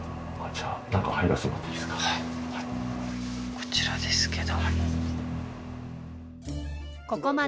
こちらですけど。